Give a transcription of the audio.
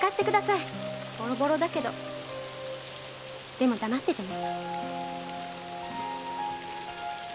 でも黙っててね。